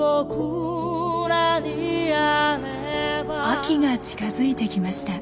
秋が近づいてきました。